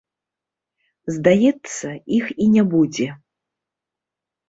Здаецца, іх і не будзе.